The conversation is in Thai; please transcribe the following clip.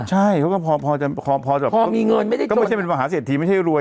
ใช่เขาก็พอจะพอจะพอมีเงินไม่ได้ก็ไม่ใช่เป็นมหาเศรษฐีไม่ใช่รวย